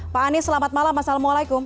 pak anies selamat malam assalamualaikum